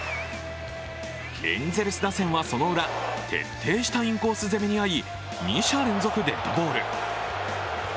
エンゼルス打線はそのウラ徹底したインコース攻めに遭い二者連続デッドボール。